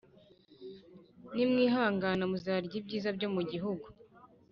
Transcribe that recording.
Nimwihangana muzarya ibyiza byo mugihugu